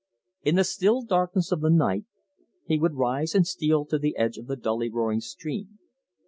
In the still darkness of the night he would rise and steal to the edge of the dully roaring stream.